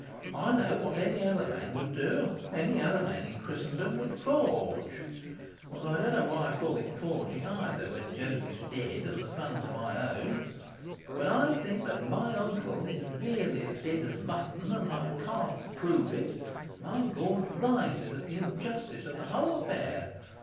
I know what any other man would do; any other man in Christendom would forge; although I don't know why I call it forging, either, when Joseph's dead, and the funds are my own. When I think of that, when I think that my uncle is really as dead as mutton, and that I can't prove it, my gorge rises at the injustice of the whole affair.